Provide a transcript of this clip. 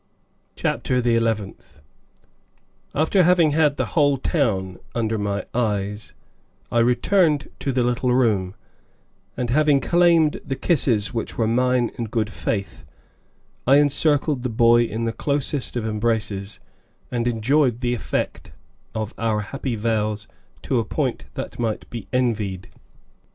CHAPTER THE ELEVENTH. After having had the whole town under my eyes, I returned to the little room and, having claimed the kisses which were mine in good faith, I encircled the boy in the closest of embraces and enjoyed the effect of our happy vows to a point that might be envied.